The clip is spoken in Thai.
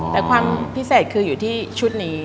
แต่ความพิเศษคืออยู่ที่ชุดนี้